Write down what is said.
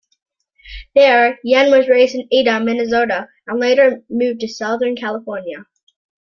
There, Yenn was raised in Ada, Minnesota, and later moved to Southern California.